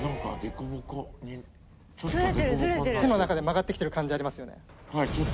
手の中で曲がってきてる感じありますよね？